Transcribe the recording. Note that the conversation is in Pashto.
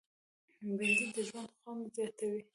بېنډۍ د ژوند خوند زیاتوي